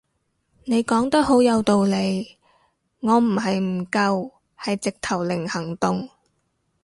你講得好有道理，我唔係唔夠係直頭零行動